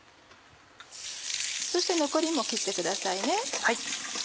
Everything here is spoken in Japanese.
そして残りも切ってくださいね。